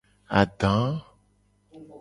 Ada.